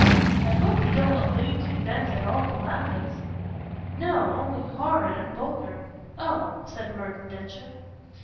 "I hope you don't allude to events at all calamitous." "No only horrid and vulgar." "Oh!" said Merton Densher. Mrs.